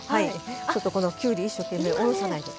ちょっとこのきゅうり一生懸命おろさないと。